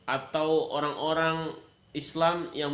atau orang orang islam yang menyumbangkan